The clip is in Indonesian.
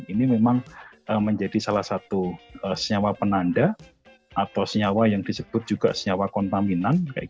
ini memang menjadi salah satu senyawa penanda atau senyawa yang disebut juga senyawa kontaminan